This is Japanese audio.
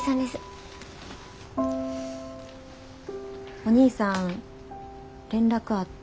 お兄さん連絡あった？